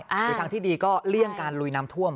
หรือทางที่ดีก็เลี่ยงการลุยน้ำท่วม